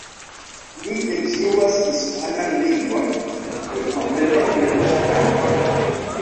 Li instruas hispanan lingvon, kaj kompreneble Esperanton.